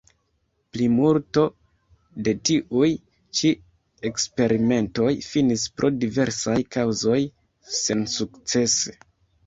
Plimulto de tiuj ĉi eksperimentoj finis pro diversaj kaŭzoj sensukcese.